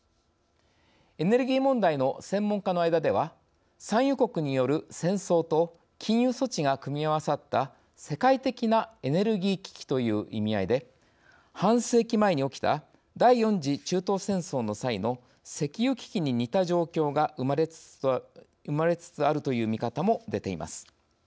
エネルギー問題の専門家の間では産油国による戦争と禁輸措置が組み合わさった世界的なエネルギー危機という意味合いで半世紀前に起きた第４次中東戦争の際の石油危機に似た状況が生まれつつあるという見方も出ています。